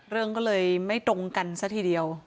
เรื่องก็เลยไม่ตรงกันซะทีเดียว